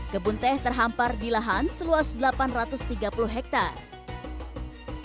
kebun teh terhampar di lahan seluas delapan ratus tiga puluh hektare